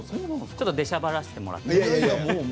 ちょっと出しゃばらせていただいて。